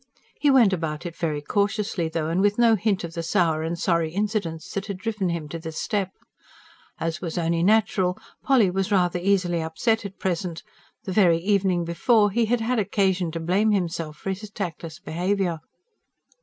He went about it very cautiously though; and with no hint of the sour and sorry incidents that had driven him to the step. As was only natural, Polly was rather easily upset at present: the very evening before, he had had occasion to blame himself for his tactless behaviour.